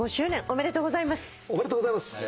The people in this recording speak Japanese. ありがとうございます。